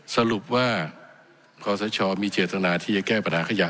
สรุปว่าขอสชมีเจตนาที่จะแก้ปัญหาขยะ